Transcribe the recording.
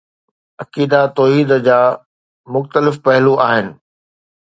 عقیده توحيد جا مختلف پهلو آهن